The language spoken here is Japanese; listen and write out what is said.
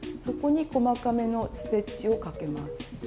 そこに細かめのステッチをかけます。